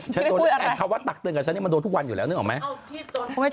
ก็หนูเห็นเขาเขียนแปลว่ารับผิดชอบคำพูดตัวเองนะคะ